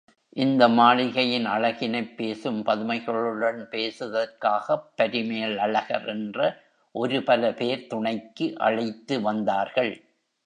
இந்த மாளிகையின் அழகினைப் பேசும் பதுமைகளுடன் பேசுதற்காகப் பரிமேலழகர் என்ற ஒரு பல பேர் துணைக்கு அழைத்துவந்தார்கள்.